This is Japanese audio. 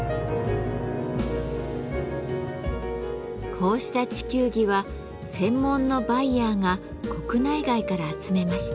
こうした地球儀は専門のバイヤーが国内外から集めました。